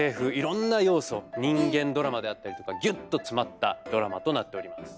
人間ドラマであったりとかぎゅっと詰まったドラマとなっております。